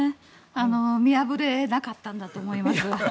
見破れなかったんだと思います。